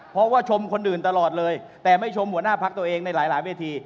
เพราะว่าชมคนอื่นตลอดเลยแต่ไม่ชมหัวหน้าพักตัวเองในหลายเวที